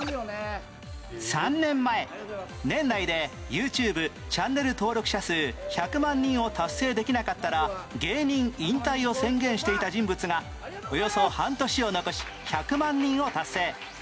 ３年前年内で ＹｏｕＴｕｂｅ チャンネル登録者数１００万人を達成できなかったら芸人引退を宣言していた人物がおよそ半年を残し１００万人を達成